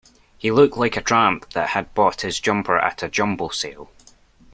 He looked like a tramp that had bought his jumper at a jumble sale